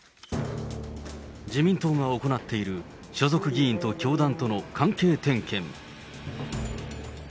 自民党が行っている所属議員と教団との関係点検。